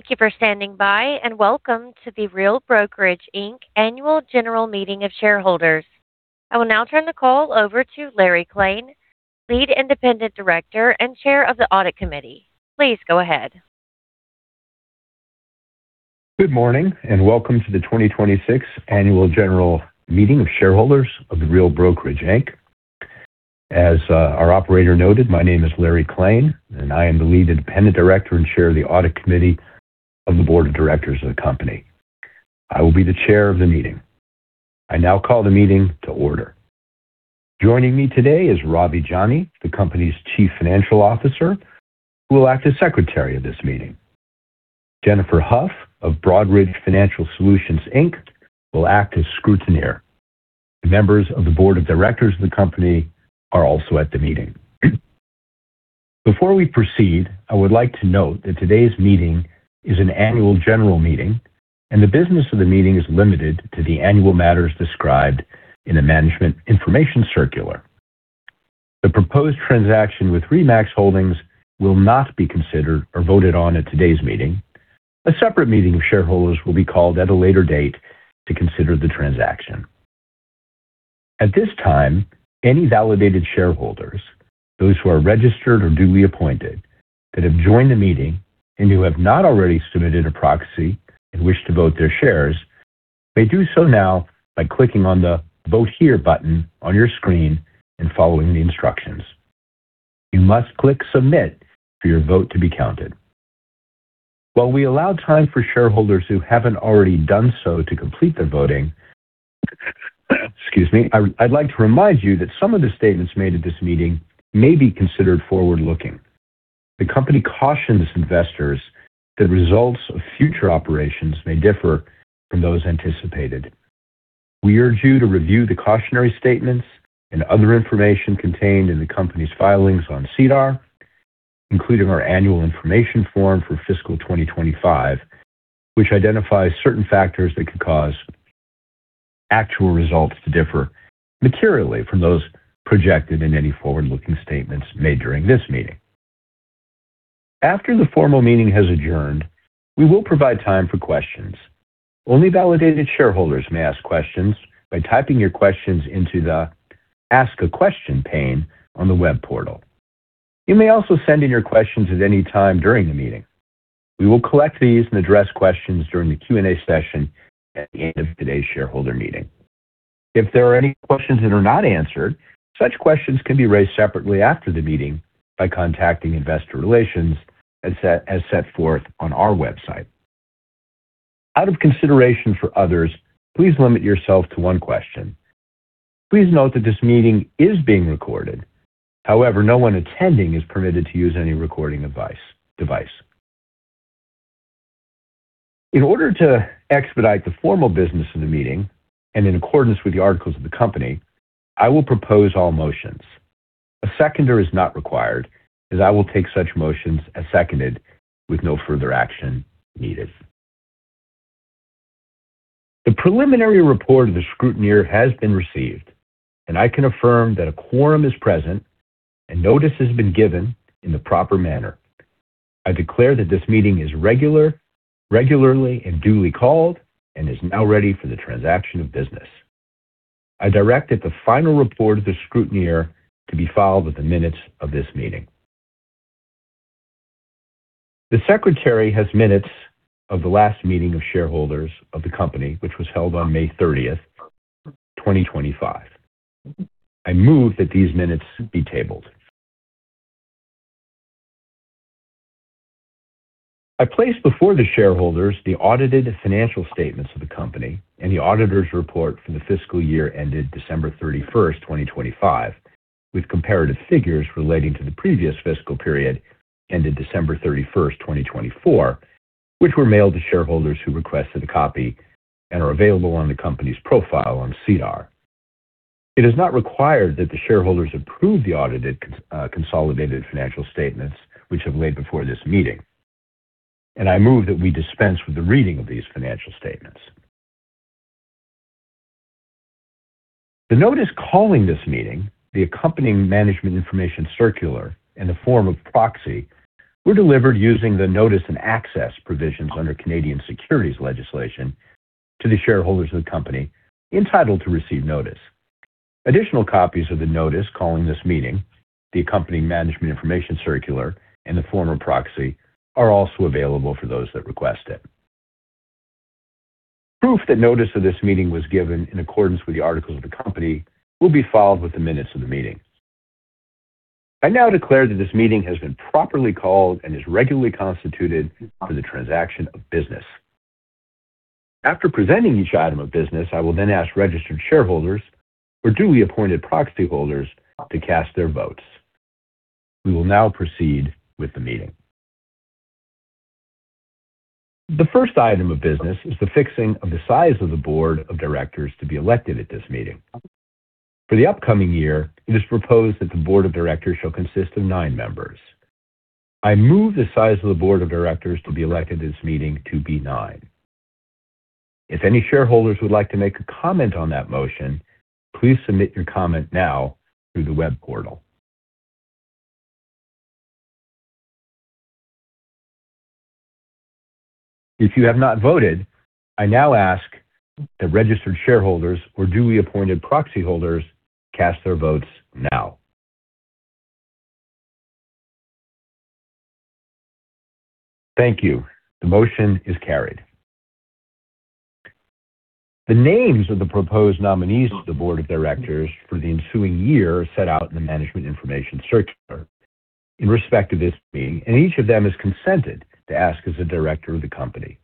Thank you for standing by, and welcome to The Real Brokerage Inc. Annual General Meeting of Shareholders. I will now turn the call over to Larry Klane, Lead Independent Director and Chair of the Audit Committee. Please go ahead. Good morning, welcome to the 2026 Annual General Meeting of Shareholders of The Real Brokerage Inc. As our operator noted, my name is Larry Klane, and I am the Lead Independent Director and Chair of the Audit Committee of the Board of Directors of the company. I will be the chair of the meeting. I now call the meeting to order. Joining me today is Ravi Jani, the company's Chief Financial Officer, who will act as Secretary of this meeting. Jennifer Huff of Broadridge Financial Solutions Inc. will act as scrutineer. The members of the Board of Directors of the company are also at the meeting. Before we proceed, I would like to note that today's meeting is an annual general meeting and the business of the meeting is limited to the annual matters described in the management information circular. The proposed transaction with RE/MAX Holdings will not be considered or voted on at today's meeting. A separate meeting of shareholders will be called at a later date to consider the transaction. At this time, any validated shareholders, those who are registered or duly appointed, that have joined the meeting and who have not already submitted a proxy and wish to vote their shares, may do so now by clicking on the Vote Here button on your screen and following the instructions. You must click Submit for your vote to be counted. While we allow time for shareholders who haven't already done so to complete their voting, I'd like to remind you that some of the statements made at this meeting may be considered forward-looking. The company cautions investors that results of future operations may differ from those anticipated. We urge you to review the cautionary statements and other information contained in the company's filings on SEDAR, including our annual information form for fiscal 2025, which identifies certain factors that could cause actual results to differ materially from those projected in any forward-looking statements made during this meeting. After the formal meeting has adjourned, we will provide time for questions. Only validated shareholders may ask questions by typing your questions into the Ask a Question pane on the web portal. You may also send in your questions at any time during the meeting. We will collect these and address questions during the Q&A session at the end of today's shareholder meeting. If there are any questions that are not answered, such questions can be raised separately after the meeting by contacting investor relations as set forth on our website. Out of consideration for others, please limit yourself to one question. Please note that this meeting is being recorded. However, no one attending is permitted to use any recording device. In order to expedite the formal business of the meeting, and in accordance with the articles of the company, I will propose all motions. A seconder is not required, as I will take such motions as seconded with no further action needed. The preliminary report of the scrutineer has been received, and I can affirm that a quorum is present and notice has been given in the proper manner. I declare that this meeting is regularly and duly called and is now ready for the transaction of business. I direct that the final report of the scrutineer to be filed with the minutes of this meeting. The Secretary has minutes of the last meeting of shareholders of the company, which was held on May 30th, 2025. I move that these minutes be tabled. I place before the shareholders the audited financial statements of the company and the auditor's report for the fiscal year ended December 31st, 2025, with comparative figures relating to the previous fiscal period ended December 31st, 2024, which were mailed to shareholders who requested a copy and are available on the company's profile on SEDAR. It is not required that the shareholders approve the audited consolidated financial statements which have laid before this meeting, and I move that we dispense with the reading of these financial statements. The notice calling this meeting, the accompanying management information circular, and the form of proxy were delivered using the notice and access provisions under Canadian securities legislation to the shareholders of the company entitled to receive notice. Additional copies of the notice calling this meeting, the accompanying management information circular, and the form of proxy are also available for those that request it. Proof that notice of this meeting was given in accordance with the articles of the company will be filed with the minutes of the meeting. I now declare that this meeting has been properly called and is regularly constituted for the transaction of business. After presenting each item of business, I will then ask registered shareholders or duly appointed proxyholders to cast their votes. We will now proceed with the meeting. The first item of business is the fixing of the size of the board of directors to be elected at this meeting. For the upcoming year, it is proposed that the board of directors shall consist of nine members. I move the size of the board of directors to be elected at this meeting to be nine. If any shareholders would like to make a comment on that motion, please submit your comment now through the web portal. If you have not voted, I now ask that registered shareholders or duly appointed proxy holders cast their votes now. Thank you. The motion is carried. The names of the proposed nominees of the board of directors for the ensuing year are set out in the management information circular in respect of this meeting, and each of them has consented to act as a director of the company.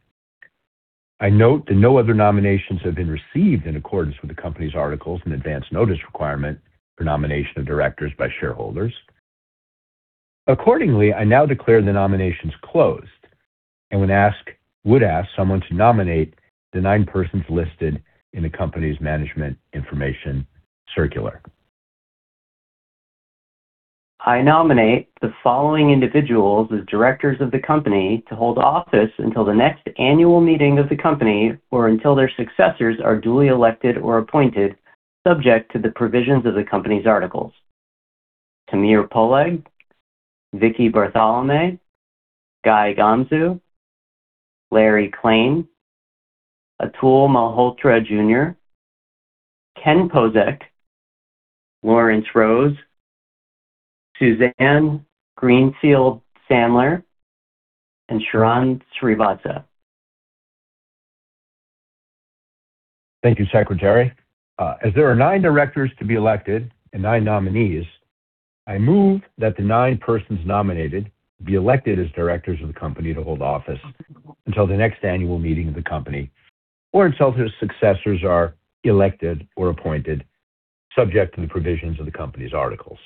I note that no other nominations have been received in accordance with the company's articles and advance notice requirement for nomination of directors by shareholders. Accordingly, I now declare the nominations closed and would ask someone to nominate the nine persons listed in the company's management information circular. I nominate the following individuals as directors of the company to hold office until the next annual meeting of the company or until their successors are duly elected or appointed, subject to the provisions of the company's articles. Tamir Poleg, Vikki Bartholomae, Guy Gamzu, Larry Klane, Atul Malhotra, Jr., Ken Pozek, Laurence Rose, Susanne Greenfield Sandler, and Sharran Srivatsaa. Thank you, Secretary. As there are nine directors to be elected and nine nominees, I move that the nine persons nominated be elected as directors of the company to hold office until the next annual meeting of the company, or until his successors are elected or appointed, subject to the provisions of the company's articles.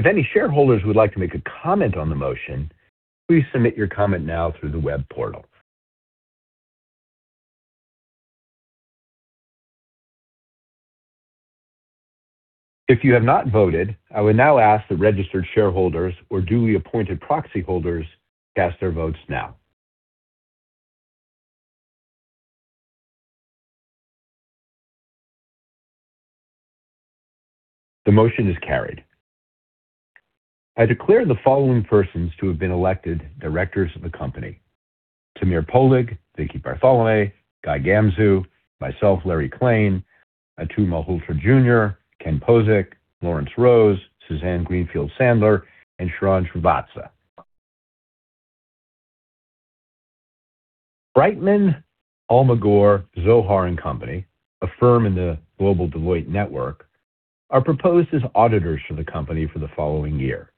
If any shareholders would like to make a comment on the motion, please submit your comment now through the web portal. If you have not voted, I would now ask that registered shareholders or duly appointed proxy holders cast their votes now. The motion is carried. I declare the following persons to have been elected directors of the company. Tamir Poleg, Vikki Bartholomae, Guy Gamzu, myself, Larry Klane, Atul Malhotra Jr., Ken Pozek, Laurence Rose, Susanne Greenfield Sandler, and Sharran Srivatsaa. Brightman Almagor Zohar & Co., a firm in the global Deloitte network, are proposed as auditors for the company for the following year.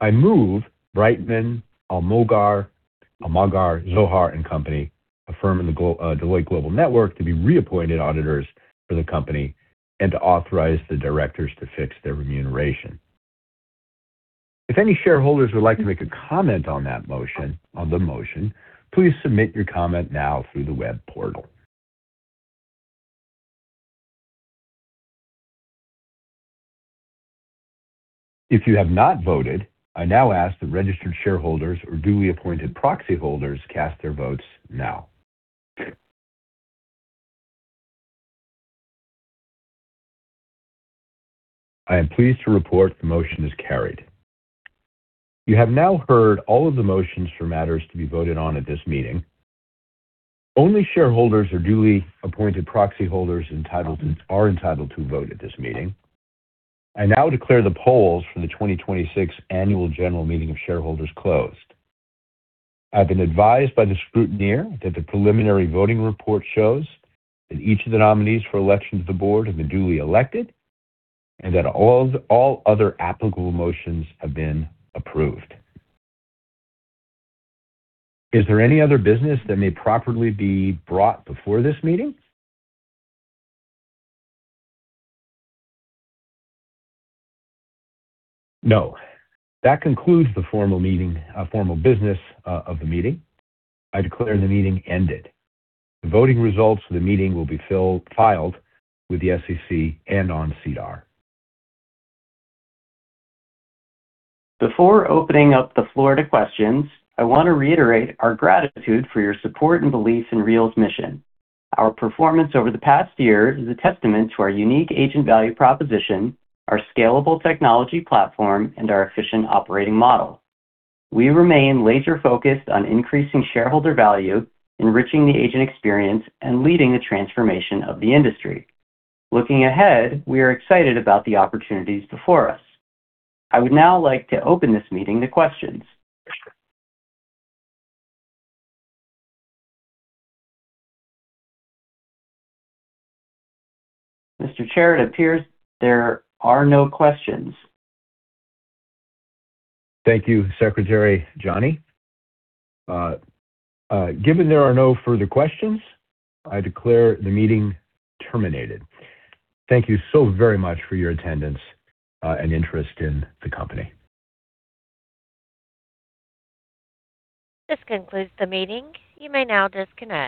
I move Brightman Almagor Zohar & Co., a firm in the Deloitte global network, to be reappointed auditors for the company and to authorize the directors to fix their remuneration. If any shareholders would like to make a comment on the motion, please submit your comment now through the web portal. If you have not voted, I now ask the registered shareholders or duly appointed proxy holders cast their votes now. I am pleased to report the motion is carried. You have now heard all of the motions for matters to be voted on at this meeting. Only shareholders or duly appointed proxy holders are entitled to vote at this meeting. I now declare the polls for the 2026 annual general meeting of shareholders closed. I've been advised by the scrutineer that the preliminary voting report shows that each of the nominees for election to the board have been duly elected, and that all other applicable motions have been approved. Is there any other business that may properly be brought before this meeting? No. That concludes the formal business of the meeting. I declare the meeting ended. The voting results of the meeting will be filed with the SEC and on SEDAR. Before opening up the floor to questions, I want to reiterate our gratitude for your support and belief in Real's mission. Our performance over the past year is a testament to our unique agent value proposition, our scalable technology platform, and our efficient operating model. We remain laser-focused on increasing shareholder value, enriching the agent experience, and leading the transformation of the industry. Looking ahead, we are excited about the opportunities before us. I would now like to open this meeting to questions. Mr. Chair, it appears there are no questions. Thank you, Secretary Jani. Given there are no further questions, I declare the meeting terminated. Thank you so very much for your attendance, and interest in the company. This concludes the meeting. You may now disconnect.